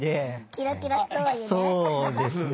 キラキラストーリーね。